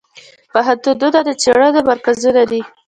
پوهنتونونه د څیړنو مرکزونه دي.